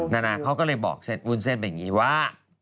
นานาเขาก็เลยบอกเซ็ตวุ้นเส้นเป็นอย่างนี้ว่า